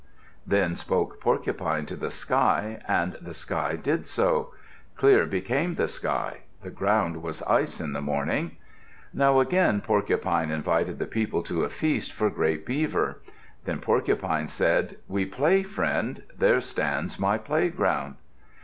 Then spoke Porcupine to the sky, and the sky did so. Clear became the sky. The ground was ice in the morning. Now again Porcupine invited the people to a feast for great Beaver. Then Porcupine said, "We play, friend. There stands my playground."